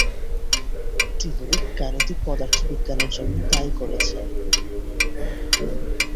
তিনি গাণিতিক পদার্থবিজ্ঞানের জন্য তাই করেছেন।